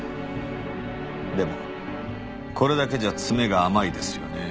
でもこれだけじゃ詰めが甘いですよね？